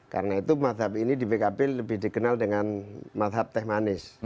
karena itu mazhab ini di pkb lebih dikenal dengan mazhab teh manis